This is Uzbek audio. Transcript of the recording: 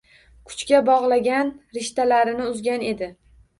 Kuchga bog‘langan rishtalarni uzgan edi.